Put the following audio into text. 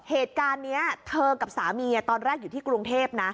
เหตุการณ์นี้เธอกับสามีตอนแรกอยู่ที่กรุงเทพนะ